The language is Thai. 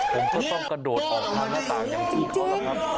ผมก็ต้องกระโดดออกข้างหน้าต่างอย่างจริง